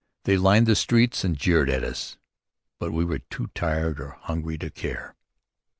They lined the streets and jeered at us. But we were too tired and hungry to care.